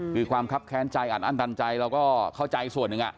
คือความคับแค้นใจอัดอั้นตันใจเราก็เข้าใจส่วนหนึ่ง